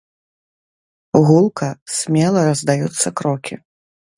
Гулка, смела раздаюцца крокі.